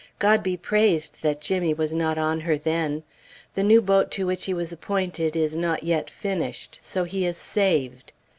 God be praised that Jimmy was not on her then! The new boat to which he was appointed is not yet finished. So he is saved!